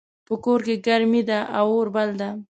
په کور کې ګرمي ده او اور بل ده